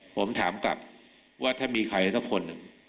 ผมถามกลับว่าถ้ามีใครสักคนหนึ่ง